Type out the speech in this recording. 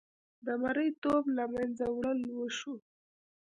د مریې توب له منځه وړل وشو.